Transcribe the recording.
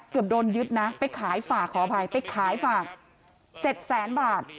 เกือบโดนยึดนะขออภัยไปขายฝาก๗๐๐๐๐๐บาท